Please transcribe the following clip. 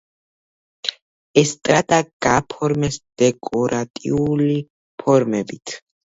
ესტრადა გააფორმეს დეკორატიული ფორმებით.